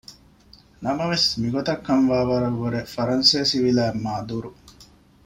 ނަމަވެސް މިގޮތަށް ކަން ވާވަރަށްވުރެ ފަރަންސޭސިވިލާތް މާ ދުރު